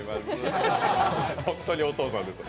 本当にお父さんです。